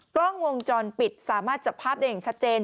กล้องวงจรปิดสามารถจับภาพได้อย่างชัดเจน